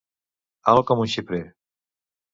Alt com un xiprer.